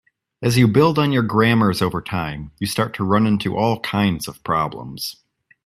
As you build on your grammars over time, you start to run into all kinds of problems.